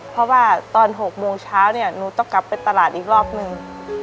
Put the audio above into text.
เพราะว่าตอน๖โมงเช้าเนี่ยหนูต้องกลับไปตลาดอีกรอบนึง